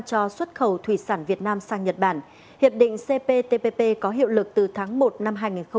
do xuất khẩu thủy sản việt nam sang nhật bản hiệp định cptpp có hiệu lực từ tháng một năm hai nghìn một mươi chín